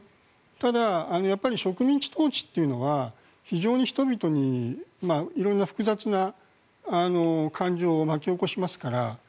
ただ、やっぱり植民地統治というのは非常に人々に色んな複雑な感情を巻き起こしますから。